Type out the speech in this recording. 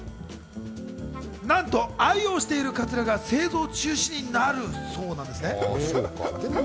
なんと愛用してるカツラが製造中止になるそうなんです。